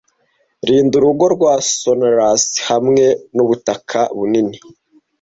rinda urugo rwa sonorous hamwe nubutaka bunini